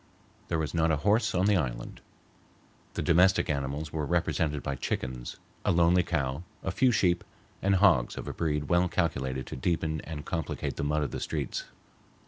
There was not a horse on the island. The domestic animals were represented by chickens, a lonely cow, a few sheep, and hogs of a breed well calculated to deepen and complicate the mud of the streets.